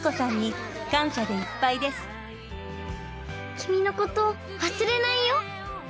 君のこと忘れないよ。